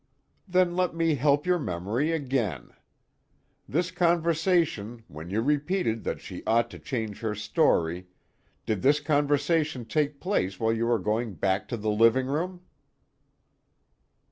"Then let me help your memory again. This conversation, when you repeated that she ought to change her story did this conversation take place while you were going back to the living room?"